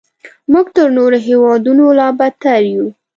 موږ تر نورو هیوادونو لا بدتر یو.